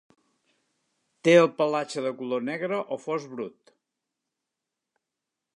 Té el pelatge de color negre o fosc brut.